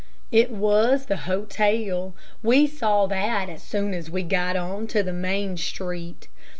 It was the hotel. We saw that as soon as we got on to the main street.